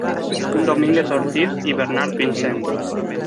Según Domínguez Ortiz y Bernard Vincent,